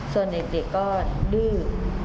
ส่วนเด็กก็ดื้อ